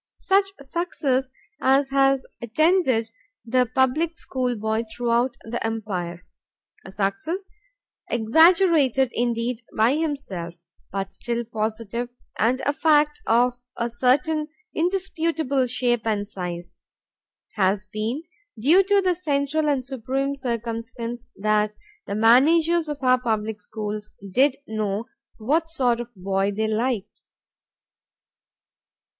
Such success as has attended the public schoolboy throughout the Empire, a success exaggerated indeed by himself, but still positive and a fact of a certain indisputable shape and size, has been due to the central and supreme circumstance that the managers of our public schools did know what sort of boy they liked.